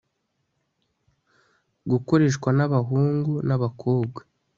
gukoreshwa n'abahungu n abakobwa